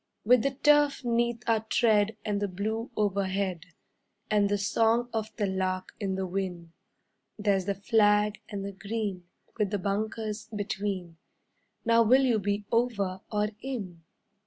With the turf 'neath our tread and the blue overhead, And the song of the lark in the whin; There's the flag and the green, with the bunkers between— Now will you be over or in?